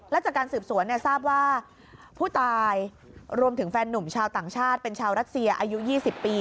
และจากการสืบสวนทราบว่าผู้ตายรวมถึงแฟนนุ่มชาวต่างชาติเป็นชาวรัสเซียอายุ๒๐ปี